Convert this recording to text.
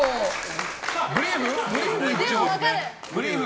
ブリーフ？